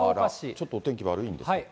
ちょっとお天気悪いんでしょうか。